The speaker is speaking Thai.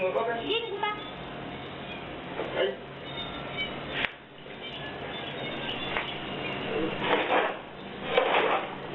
เอออีกลม